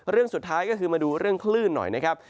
เรื่องสุดท้ายก็คือมาดูเรื่องคลื่นหน่อยนะครับ